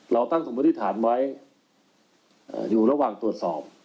เราตั้งสมมติฐานไว้อยู่ระหว่างตรวจสอบ